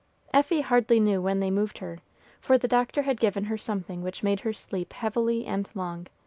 Effie hardly knew when they moved her, for the doctor had given her something which made her sleep heavily and long.